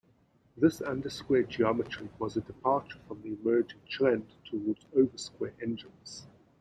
This undersquare geometry was a departure from the emerging trend towards oversquare engines.